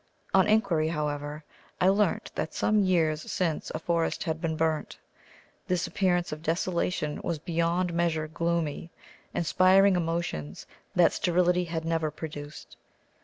On inquiry, however, I learnt that some years since a forest had been burnt. This appearance of desolation was beyond measure gloomy, inspiring emotions that sterility had never produced.